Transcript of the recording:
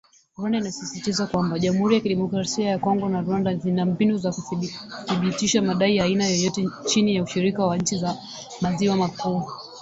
Rwanda inasisitiza kwamba “Jamhuri ya kidemokrasia ya Kongo na Rwanda zina mbinu za kuthibitisha madai ya aina yoyote chini ya ushirika wa nchi za maziwa makuu.